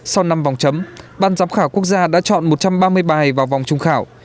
sau năm vòng chấm ban giám khảo quốc gia đã chọn một trăm ba mươi bài vào vòng trung khảo